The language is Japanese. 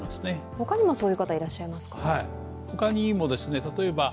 ほかにもそういう方いらっしゃいますか？